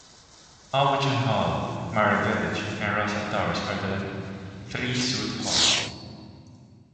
Aubuchon Hall, Mara Village, and Russell Towers are the three suite halls.